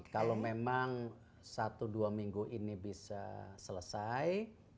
kalau memang satu dua minggu ini bisa selesai